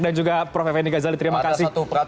dan juga prof fendi ghazali terima kasih